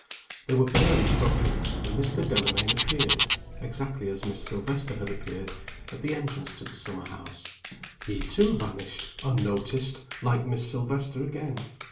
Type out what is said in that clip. They were barely spoken when Mr. Delamayn appeared (exactly as Miss Silvester had appeared) at the entrance to the summer house. He, too, vanished, unnoticed like Miss Silvester again.